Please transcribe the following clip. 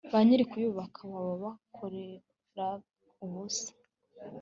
ba nyir'ukuyubaka baba bagokera ubusa